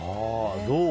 どう？